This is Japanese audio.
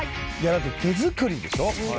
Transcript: だって、手作りでしょ。